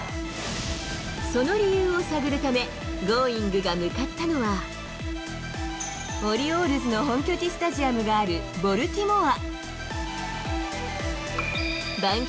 その理由を探るため、Ｇｏｉｎｇ！が向かったのは、オリオールズの本拠地スタジアムがあるボルティモア。